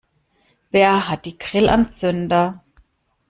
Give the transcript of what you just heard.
Wer hat die Grillanzünder?